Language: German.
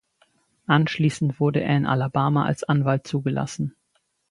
Anschließend wurde er in Alabama als Anwalt zugelassen.